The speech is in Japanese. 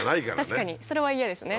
確かにそれは嫌ですね